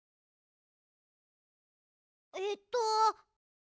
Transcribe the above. えっと。